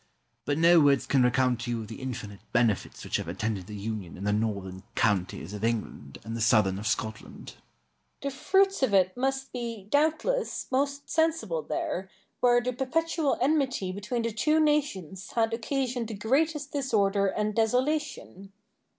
But no words can recount to you the infinite benefits which have attended the union in the northern counties of England and the southern of Scotland. Douglas. The fruits of it must be, doubtless, most sensible there, where the perpetual enmity between the two nations had occasioned the greatest disorder and desolation.